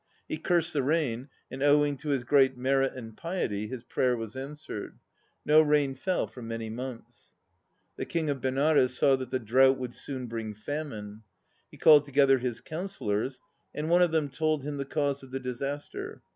He cursed the rain, and owing to his great merit and piety his prayer was answered. No rain fell for many months. The King of Benares saw that the drought would soon bring famine. He called together his counsellors, and one of them told him the cause of the disaster.